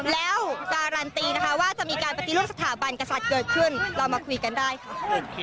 แล้วการันตีนะคะว่าจะมีการปฏิรูปสถาบันกษัตริย์เกิดขึ้นเรามาคุยกันได้ค่ะ